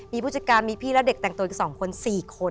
มีผู้จัดการมีพี่และเด็กแต่งตัวอีก๒คน๔คน